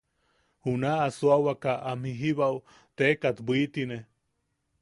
Juna suawaka am jijibao teekat bwitine.